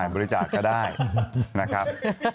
บริจาคก็ได้นะครับ